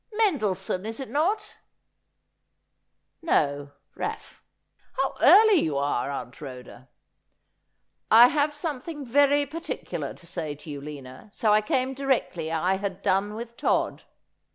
Mendelssohn, is it not ?'' No ; Raff. How early you are, Aunt Rhoda !'' I have something very particular to say to you, Lina, so I came directly I had done with Todd.'